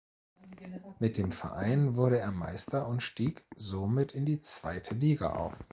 Mit dem Verein wurde er Meister und stieg somit in die Zweite Liga auf.